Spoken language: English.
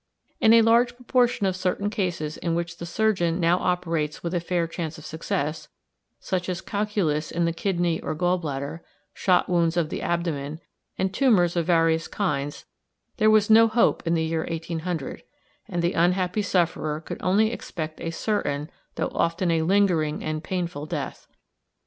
In a large proportion of certain cases in which the surgeon now operates with a fair chance of success, such as calculus in the kidney or gall bladder, shot wounds of the abdomen, and tumours of various kinds, there was no hope in the year 1800, and the unhappy sufferer could only expect a certain, though often a lingering and painful, death.